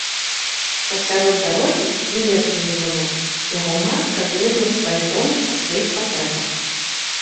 Пасярод дарогі, дзе лесу не было, яго матка злезла з фаэтона па сваіх патрэбах.